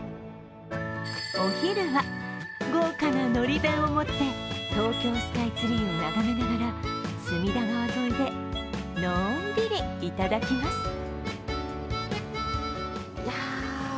お昼は、豪華なのり弁を持って東京スカイツリーを眺めながら隅田川沿いで、のんびりいただきます。